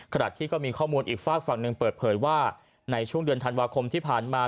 ที่ก็มีข้อมูลอีกฝากฝั่งหนึ่งเปิดเผยว่าในช่วงเดือนธันวาคมที่ผ่านมา